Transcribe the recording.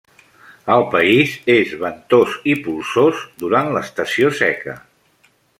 El país és ventós i polsós durant l'estació seca.